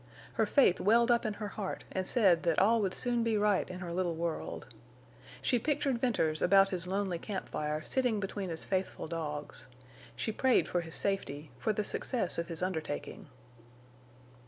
Her faith welled up in her heart and said that all would soon be right in her little world. She pictured Venters about his lonely camp fire sitting between his faithful dogs. She prayed for his safety, for the success of his undertaking.